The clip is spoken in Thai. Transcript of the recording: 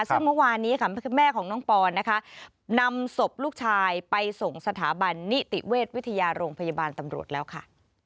ซึ่งเมื่อวานนี้ค่ะแม่ของน้องปอนนะคะนำศพลูกชายไปส่งสถาบันนิติเวชวิทยาโรงพยาบาลตำรวจแล้วค่ะ